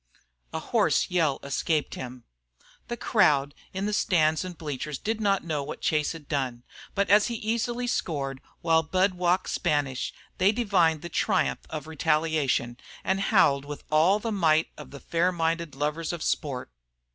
A hoarse yell escaped him. The crowd in the stands and bleachers did not know what Chase had done, but as he easily scored, while Budd walked Spanish, they divined the triumph of retaliation, and howled with all the might of fair minded lovers of sport.